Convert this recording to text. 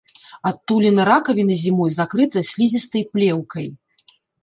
Адтуліна ракавіны зімой закрыта слізістай плеўкай.